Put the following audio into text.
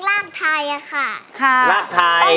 รักทรายค่ะครบ